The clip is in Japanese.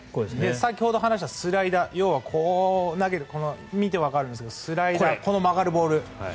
先ほど話したスライダー要はこう投げる見てわかる、スライダーこの曲がるボール。